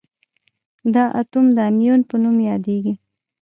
دا اتوم د انیون په نوم یادیږي.